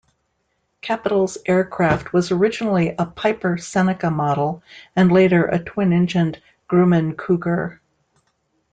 Capital's aircraft was originally a Piper Seneca model, and, later, a twin-engined Grumman Cougar.